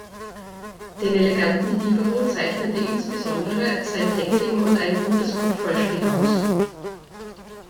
Den eleganten Libero zeichnete insbesondere sein Tackling und ein gutes Kopfballspiel aus.